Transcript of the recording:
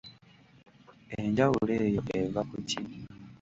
Enjawulo eyo eva ku ki?